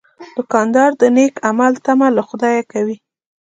دوکاندار د نیک عمل تمه له خدایه کوي.